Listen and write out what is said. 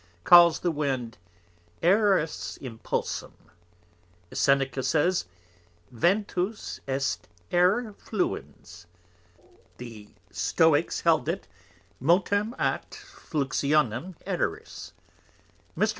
calls the Wind Aeris Impulsum. Seneca says, Ventus est Aer Fluens. The Stoicks held it, Motum aut Fluxionem Aeris. Mr.